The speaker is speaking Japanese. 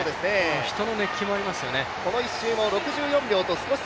人の熱気もありますよね。